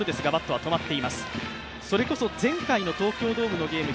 それこそ前回の東京ドームのゲーム１２０